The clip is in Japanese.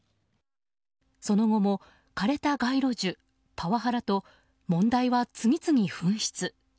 その後も枯れた街路樹、パワハラと問題は次々噴出。